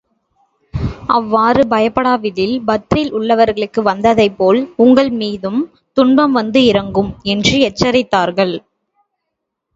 அவ்வாறு பயப்படாவிடில், பத்ரில் உள்ளவர்களுக்கு வந்ததைப் போல் உங்கள் மீதும் துன்பம் வந்து இறங்கும் என்று எச்சரித்தார்கள்.